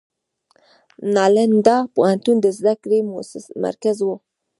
نالندا پوهنتون د زده کړې مرکز و.